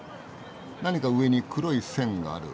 何か上に黒い線がある。